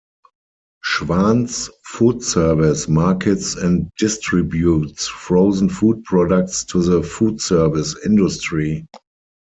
Schwan's Food Service markets and distributes frozen-food products to the food service industry.